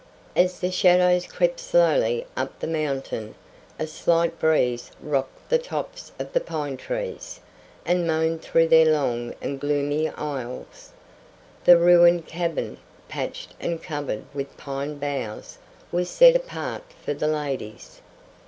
As the shadows crept slowly up the mountain, a slight breeze rocked the tops of the pine trees, and moaned through their long and gloomy aisles. The ruined cabin, patched and covered with pine boughs, was set apart for the ladies.